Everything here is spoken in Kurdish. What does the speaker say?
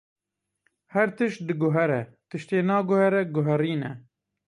Her tişt diguhere, tiştê naguhere, guherîn e.